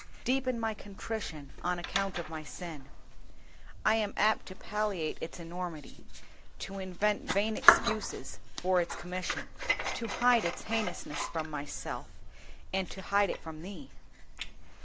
Deepen my contrition on account of my sin. I am apt to palliate its enormity, to invent vain excuses for its commission, to hide its heinousness from myself, and to hide it from Thee.